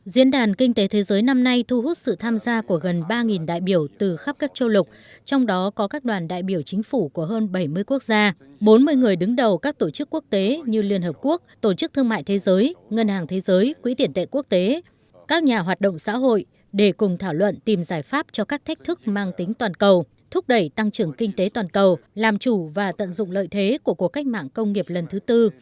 diễn đàn kinh tế thế giới năm nay thu hút sự tham gia của gần ba đại biểu từ khắp các châu lục trong đó có các đoàn đại biểu chính phủ của hơn bảy mươi quốc gia bốn mươi người đứng đầu các tổ chức quốc tế như liên hợp quốc tổ chức thương mại thế giới ngân hàng thế giới quỹ tiền tệ quốc tế các nhà hoạt động xã hội để cùng thảo luận tìm giải pháp cho các thách thức mang tính toàn cầu thúc đẩy tăng trưởng kinh tế toàn cầu làm chủ và tận dụng lợi thế của cuộc cách mạng công nghiệp lần thứ tư